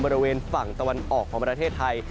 บริเวณฝั่งตะวันออกของประเทศไทย